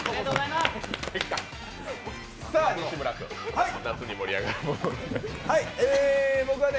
さあ、西村君、夏に盛り上がるもの。